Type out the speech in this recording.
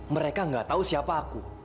mereka gak tau siapa aku